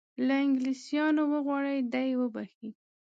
له انګلیسیانو وغواړي دی وبخښي.